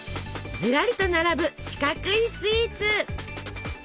ずらりと並ぶ四角いスイーツ！